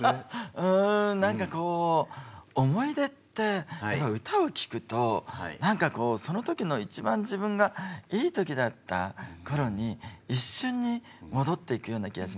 うん何かこう思い出って歌を聴くと何かこうその時の一番自分がいい時だった頃に一瞬に戻っていくような気がしますね。